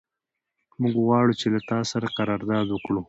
موږ غواړو چې له تا سره قرارداد وکړو.